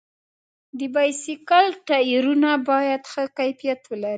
د بایسکل ټایرونه باید ښه کیفیت ولري.